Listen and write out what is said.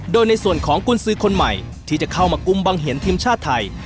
โดยในส่วนของกุญสือคนใหม่ที่จะเข้ามากุมบังเห็นทีมชาติไทย